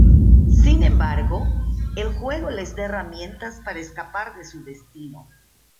Sin embargo, el juego les da herramientas para escapar de su destino.